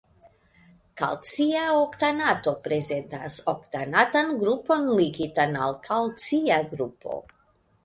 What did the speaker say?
Kalcia oktanato prezentas oktanatan grupon ligitan al kalcia grupo.